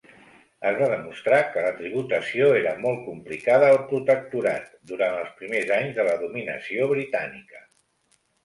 Es va demostrar que la tributació era molt complicada al protectorat, durant els primers anys de la dominació britànica.